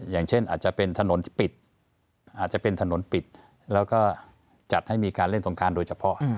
อย่างเช่นอาจจะเป็นถนนที่ปิดอาจจะเป็นถนนปิดแล้วก็จัดให้มีการเล่นสงการโดยเฉพาะ